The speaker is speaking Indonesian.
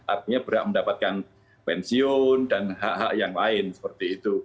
artinya berhak mendapatkan pensiun dan hak hak yang lain seperti itu